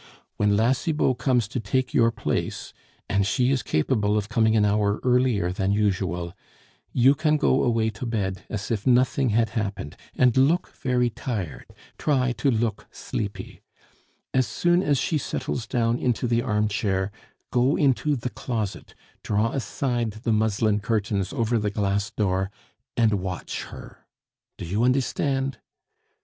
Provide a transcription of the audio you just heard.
When La Cibot comes to take your place (and she is capable of coming an hour earlier than usual), you can go away to bed as if nothing had happened, and look very tired. Try to look sleepy. As soon as she settles down into the armchair, go into the closet, draw aside the muslin curtains over the glass door, and watch her.... Do you understand?"